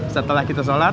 setelah kita sholat